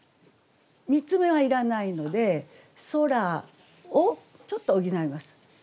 「見つめ」はいらないので「空を」ちょっと補います。